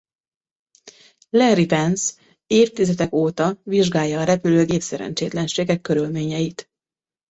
Larry Vance évtizedek óta vizsgálja a repülőgép-szerencsétlenségek körülményeit.